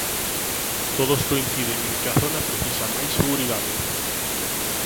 Todos coinciden en que a zona precisa máis seguridade.